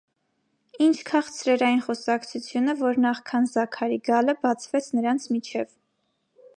Ի՜նչ քաղցր էր այն խոսակցությունը, որ, նախքան Զաքարի գալը՝ բացվեց նրանց միջև: